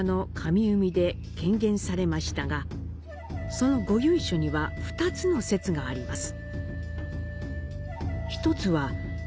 その御由緒には２つの説があります。